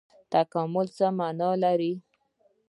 تکامل څه مانا لري؟